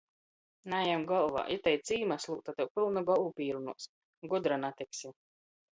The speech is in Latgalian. Najem golvā! Itei cīma slūta tev pylnu golvu pīrunuos, gudra natiksi.